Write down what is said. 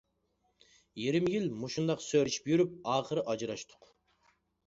يېرىم يىل مۇشۇنداق سۆرىشىپ يۈرۈپ ئاخىرى ئاجراشتۇق.